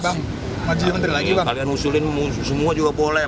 kalian usulin semua juga boleh